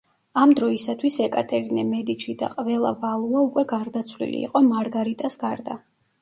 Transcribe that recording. ამ დროისათვის ეკატერინე მედიჩი და ყველა ვალუა უკვე გარდაცვლილი იყო მარგარიტას გარდა.